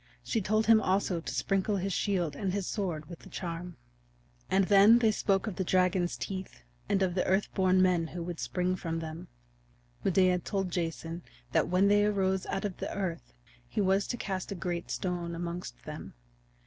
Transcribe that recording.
She told him also to sprinkle his shield and his sword with the charm. And then they spoke of the dragon's teeth and of the Earth born Men who would spring from them. Medea told Jason that when they arose out of the earth he was to cast a great stone amongst them.